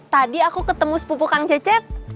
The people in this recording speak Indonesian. tadi aku ketemu sepupu kang cecep